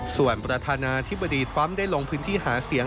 ส่วนประธานาธิบดีทรัมป์ได้ลงพื้นที่หาเสียง